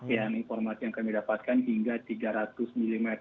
ya informasi yang kami dapatkan hingga tiga ratus mm